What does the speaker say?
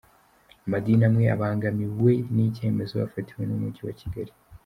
Amadini amwe abangamiwe n’icyemezo bafatiwe n’Umujyi wa Kigali